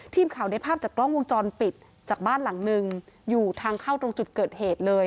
ทีมข่าวได้ภาพจากกล้องวงจรปิดจากบ้านหลังนึงอยู่ทางเข้าตรงจุดเกิดเหตุเลย